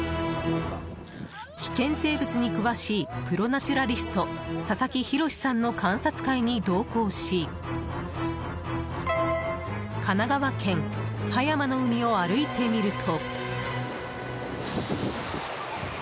危険生物に詳しいプロナチュラリスト佐々木洋さんの観察会に同行し神奈川県葉山の海を歩いてみると。